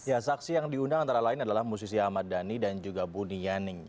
ya saksi yang diundang antara lain adalah musisi ahmad dhani dan juga buni yaning